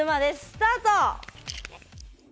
スタート。